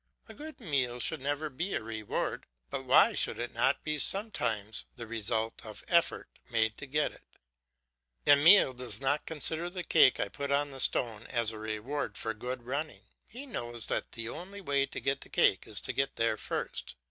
A good meal should never be a reward; but why should it not be sometimes the result of efforts made to get it. Emile does not consider the cake I put on the stone as a reward for good running; he knows that the only way to get the cake is to get there first.